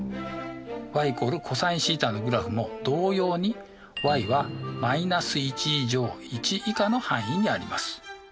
ｙ＝ｃｏｓθのグラフも同様にｙは−１以上１以下の範囲にあります。